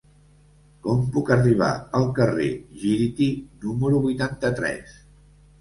Com puc arribar al carrer Gíriti número vuitanta-tres?